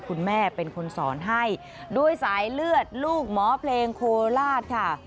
คุณแม่เป็นคนสอนให้ด้วยสายเลือดลูกหมอเพลงโคราชค่ะ